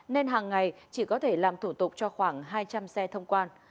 nên hàng ngày chỉ có thể làm thủ tục cho khoảng hai trăm linh xe thông quan